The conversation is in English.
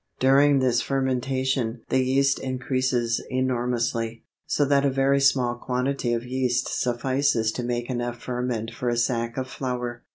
During this fermentation the yeast increases enormously, so that a very small quantity of yeast suffices to make enough ferment for a sack of flour.